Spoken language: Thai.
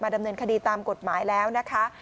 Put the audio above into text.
ดำเนินคดีตามกฎหมายแล้วนะคะ